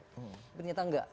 tapi ternyata enggak